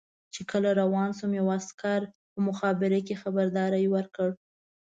چې کله روان شوم یوه عسکر په مخابره کې خبرداری ورکړ.